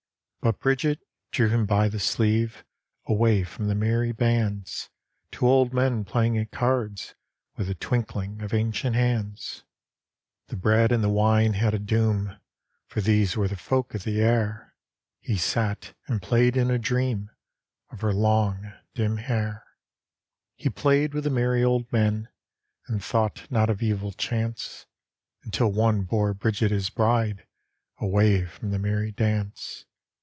But Bridget drew him by the siceye, Away from the merry bands. To old men playing at cards With a twinkling of andcnt bands. 199 D,gt,, erihyGOOgle The Haunted Hour The bread and the wine had a doom, For these were the folk of the air; He sat and played in a dream Of her long dim hair. He played with the merry old men, And thought not of evil chance, Until one bore Bridget his bride Away from the merry dance.